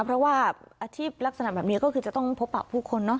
เพราะว่าอาทิตย์ลักษณะแบบนี้ก็คือจะต้องพบอาบผู้คน